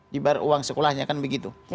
dibayar uang sekolahnya kan begitu